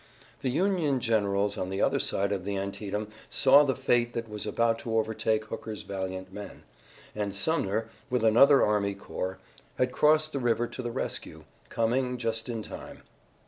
The Union generals on the other side of the Antietam saw the fate that was about to overtake Hooker's valiant men, and Sumner, with another army corps, had crossed the river to the rescue, coming just in time.